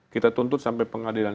kita tuntut sampai pengadilan